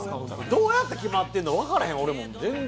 どうやって決まってんの、分からへん、俺も。